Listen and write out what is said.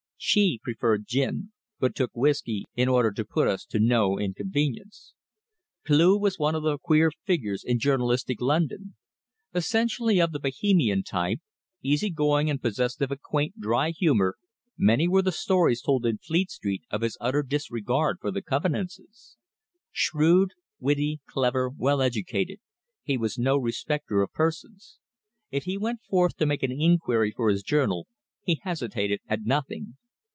She preferred gin, but took whisky in order to put us to no inconvenience. Cleugh was one of the queer figures in journalistic London. Essentially of the Bohemian type, easy going and possessed of a quaint, dry humour, many were the stories told in Fleet Street of his utter disregard for the convenances. Shrewd, witty, clever, well educated, he was no respecter of persons. If he went forth to make an inquiry for his journal, he hesitated at nothing.